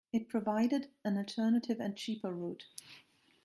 It provided an alternative and cheaper route.